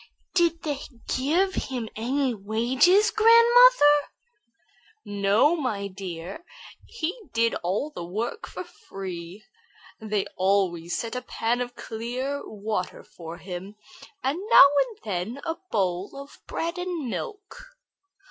"Did they give him any wages, grandmother?" "No, my dear, he did the work for love. They always set a pan of clear water for him, and now and then a bowl of bread and milk."